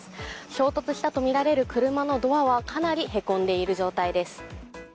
衝突したとみられる車のドアはかなりへこんでいる状態です。